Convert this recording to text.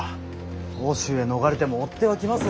奥州へ逃れても追っ手は来ます。